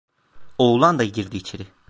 Oğlan da girdi içeri…